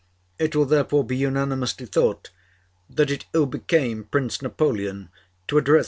It will therefore be unanimously thought that it ill became Prince Napoleon to address M.